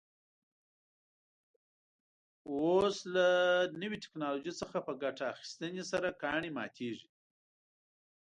اوس له نوې تکنالوژۍ څخه په ګټې اخیستنې سره کاڼي ماتېږي.